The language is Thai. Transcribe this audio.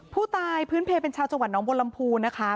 พื้นเพลเป็นชาวจังหวัดน้องบนลำพูนะคะ